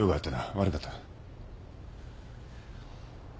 悪かった。